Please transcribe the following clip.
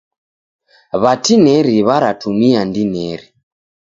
W'atineri w'aratumia ndineri.